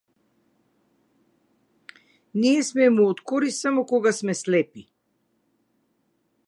Ние сме му од корист само кога сме слепи.